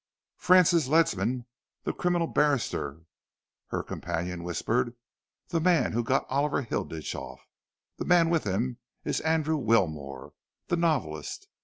"Francis Ledsam, the criminal barrister," her companion whispered, "the man who got Oliver Hilditch off. The man with him is Andrew Wilmore, the novelist.